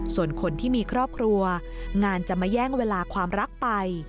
ส่วนคนที่มีครอบครัวงานจะมาแย่งเวลาความรักไป